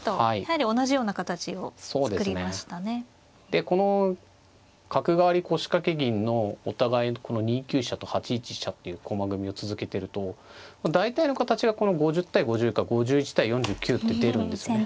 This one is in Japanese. でこの角換わり腰掛け銀のお互いこの２九飛車と８一飛車っていう駒組みを続けてると大体の形がこの５０対５０か５１対４９って出るんですね。